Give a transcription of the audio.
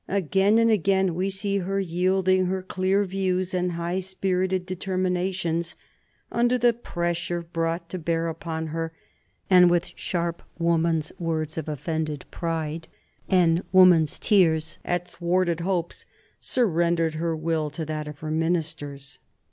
Again and again we see her yielding her clear views and high spirited determinations under the pressure brought to bear upon her, and with sharp woman's words of offended pride, and woman's tears at thwarted hopes, surrendering her will to that of her ministers.